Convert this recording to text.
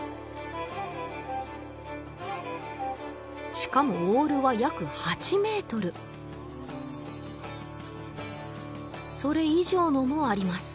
しかもオールは約８ｍそれ以上のもあります